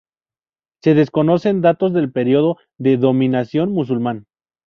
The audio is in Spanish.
Se desconocen datos del periodo de dominación musulmán.